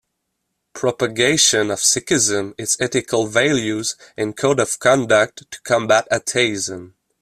Propagation of Sikhism, its ethical values and code of conduct to combat atheism.